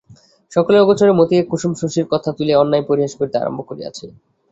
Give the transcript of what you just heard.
সকলের অগোচরে মতিকে কুসুম শশীর কথা তুলিয়া অন্যায় পরিহাস করিতে আরম্ভ করিয়াছে।